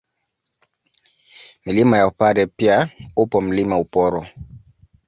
Milima ya Upare pia upo Mlima Uporo